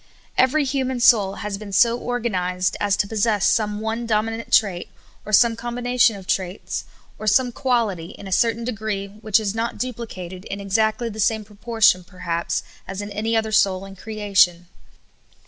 EVERY human soul has been so organized as to pos sess some one dominant trait, or some combination of traits, or some quaht}^ in a certain degree which is not dupHcated in exactly the same proportion, perhaps, as in any other soul in creation.